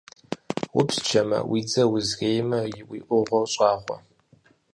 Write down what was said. Упсчэмэ, уи дзэр узреймэ, и ӏугъуэр щӏагъэу.